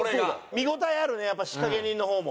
見応えあるねやっぱ仕掛人の方も。